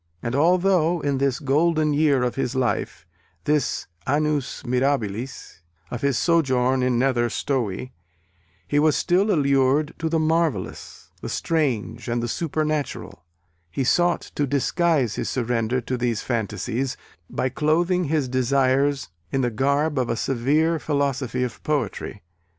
And although in this golden year of his life, this annus mirabilis of his sojourn at Nether Stowey, he was still allured to the marvellous, the strange and the supernatural, he sought to disguise his surrender to these phantasies, by clothing his desires in the garb of a severe philosophy of poetry.